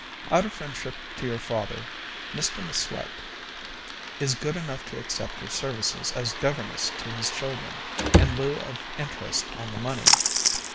Out of friendship to your father, Mr M'Swat is good enough to accept your services as governess to his children, in lieu of interest on the money.